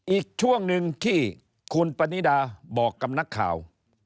อีกช่วงหนึ่งที่คุณปณิดาบอกกับนักข่าว